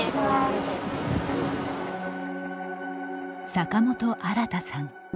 坂本新さん。